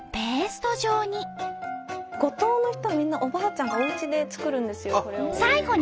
スタジオ五島の人はみんなおばあちゃんがおうちで作るんですよこれを。